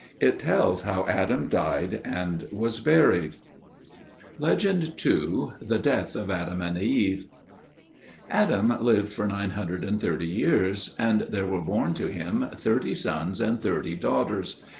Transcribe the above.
It tells how Adam died and was buried. THE DEATH OF ADAM AND EVE Adam lived for 930 years; and there were born to him thirty sons and thirty daughters.